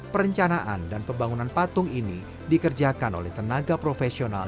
perencanaan dan pembangunan patung ini dikerjakan oleh tenaga profesional